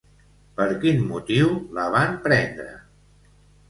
Per quin motiu la van prendre?